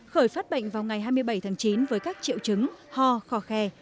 khởi phát bệnh vào ngày hai mươi bảy tháng chín với các triệu chứng ho khó khe